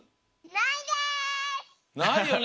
ないよね！